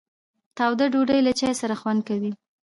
تاوده ډوډۍ له چای سره خوند کوي.